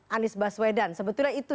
anies baswedan sebetulnya itu